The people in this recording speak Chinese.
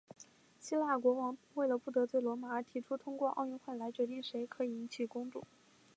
希腊国王为了不得罪罗马而提出通过奥运会来决定谁可以迎娶公主。